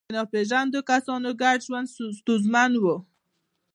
د ناپېژاندو کسانو ګډ ژوند ستونزمن و.